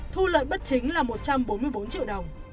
thu lợi bất chính là một trăm bốn mươi bốn triệu đồng